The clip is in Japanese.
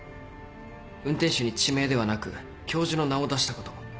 運転手に地名ではなく教授の名を出したこと。